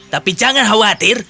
tapi jangan khawatir